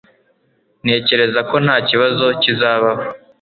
Ntekereza ko nta kibazo kizabaho.